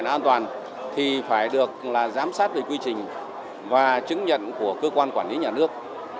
nó an toàn thì phải được giám sát về quy trình và chứng nhận của cơ quan quản lý nhà nước